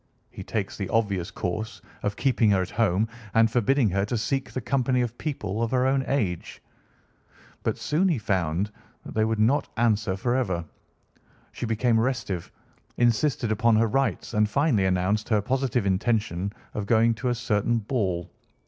He takes the obvious course of keeping her at home and forbidding her to seek the company of people of her own age. But soon he found that that would not answer forever. She became restive, insisted upon her rights, and finally announced her positive intention of going to a certain ball.